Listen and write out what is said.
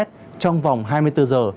trong vòng hai mươi bốn giờ